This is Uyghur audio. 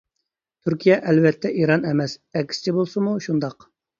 تۈركىيە ئەلۋەتتە ئىران ئەمەس، ئەكسىچە بولسىمۇ شۇنداق.